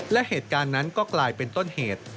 และเหตุการณ์นั้นก็กลายเป็นต้นเหตุ